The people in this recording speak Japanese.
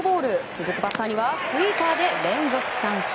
続くバッターにはスイーパーで連続三振。